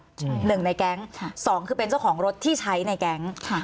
หนึ่งในแก๊งค่ะสองคือเป็นเจ้าของรถที่ใช้ในแก๊งค่ะ